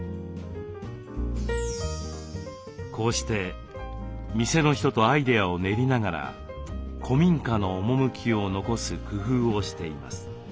こうして店の人とアイデアを練りながら古民家の趣を残す工夫をしています。